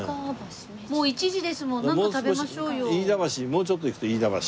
もうちょっと行くと飯田橋。